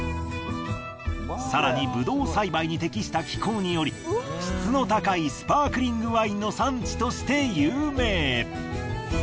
更にブドウ栽培に適した気候により質の高いスパークリングワインの産地として有名。